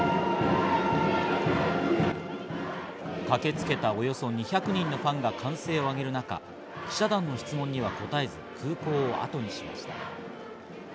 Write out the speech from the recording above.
駆けつけたおよそ２００人のファンが歓声を上げる中、記者団の質問には答えず空港をあとにしました。